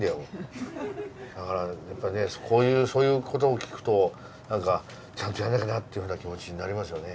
だからやっぱりねそういう事を聞くと何かちゃんとやんなきゃなっていうふうな気持ちになりますよね。